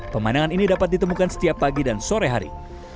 pemandangan ini dapat ditemukan setiap pagi dan sore hari